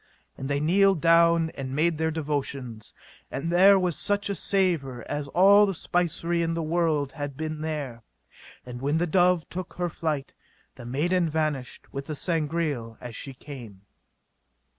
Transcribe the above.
And then they kneeled down and made their devotions, and there was such a savour as all the spicery in the world had been there. And when the dove took her flight, the maiden vanished with the Sangreal as she came.